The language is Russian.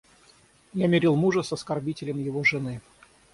Я мирил мужа с оскорбителем его жены.